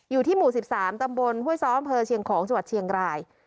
อยู่ที่หมู่๑๓ตำบลห้วยซ้ออำเภอเชียงของจังหวัดเชียงราย